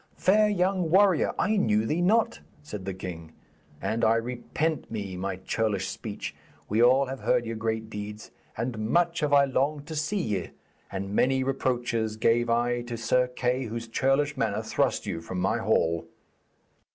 'Fair young warrior, I knew ye not,' said the king, 'and I repent me my churlish speech. We all have heard your great deeds, and much have I longed to see ye, and many reproaches gave I to Sir Kay, whose churlish manner thrust you from my hall.'